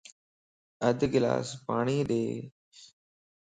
اڌ گلاس پاڻين ڏي